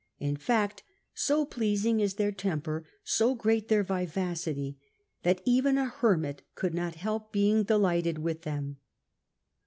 lu fact, so pleasing is their tempcir, so great their vivacity, that even a hermit could not helji being delighted with them.